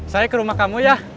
saya ke rumah kamu ya